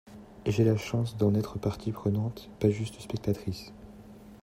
Et j’ai la chance d’en être partie prenante, pas juste spectatrice.